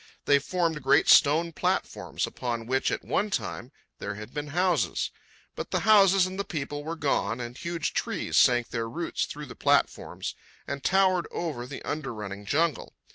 They formed great stone platforms, upon which, at one time, there had been houses. But the houses and the people were gone, and huge trees sank their roots through the platforms and towered over the under running jungle.